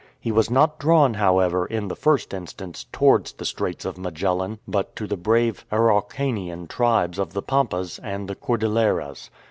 He was not drawn, however, in the first instance towards the Straits of Magellan, but to the brave Araucanian tribes of the Pampas and the Cor dilleras.